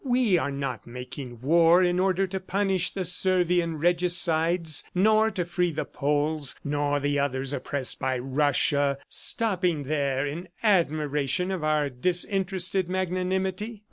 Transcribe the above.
"We are not making war in order to punish the Servian regicides, nor to free the Poles, nor the others oppressed by Russia, stopping there in admiration of our disinterested magnanimity.